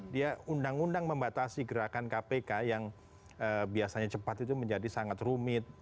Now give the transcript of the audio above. dia undang undang membatasi gerakan kpk yang biasanya cepat itu menjadi sangat rumit